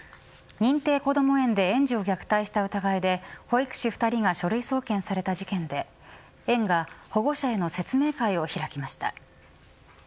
認定こども園で園児を虐待した疑いで保育士２人が書類送検された事件で園が保護者への説明会を開きました。